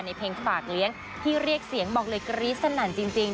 เพลงฝากเลี้ยงที่เรียกเสียงบอกเลยกรี๊ดสนั่นจริง